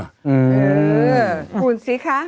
อือคูณสิคะ